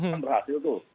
kan berhasil tuh